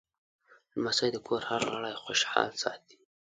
لمسی د کور هر غړی خوشحال ساتي.